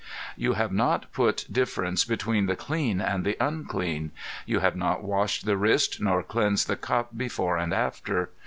"You have not put difference between the clean and the unclean. You have not washed the wrist nor cleansed the cup before and after.